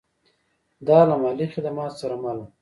دا له مالي خدماتو سره مل و